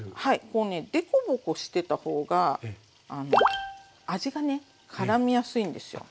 こうね凸凹してた方が味がねからみやすいんですよ。